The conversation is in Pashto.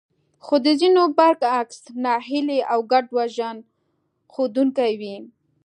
خو د ځينو برعکس ناهيلي او ګډوډ ژوند ښودونکې وې.